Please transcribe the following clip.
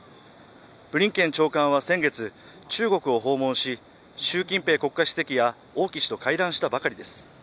ブリンケン長官は先月中国を訪問し習近平国家主席や王毅氏と会談したばかりです。